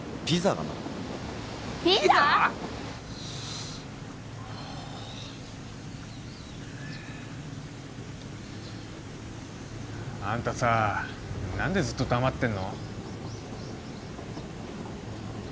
ピザ！？あんたさぁ何でずっと黙ってんの？